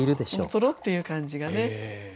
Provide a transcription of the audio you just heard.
とろっていう感じがね。